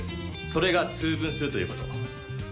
それが「通分」するということ。